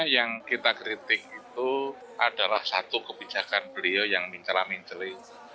yang kita kritik itu adalah satu kebijakan beliau yang mincerla minjeli